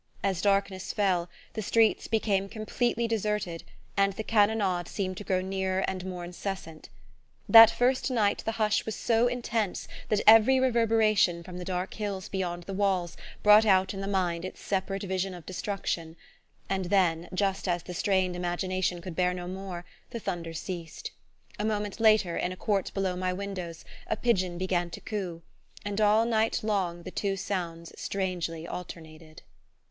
As darkness fell, the streets became completely deserted, and the cannonade seemed to grow nearer and more incessant. That first night the hush was so intense that every reverberation from the dark hills beyond the walls brought out in the mind its separate vision of destruction; and then, just as the strained imagination could bear no more, the thunder ceased. A moment later, in a court below my windows, a pigeon began to coo; and all night long the two sounds strangely alternated...